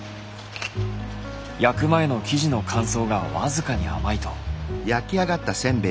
焼く前の生地の乾燥がわずかに甘いと。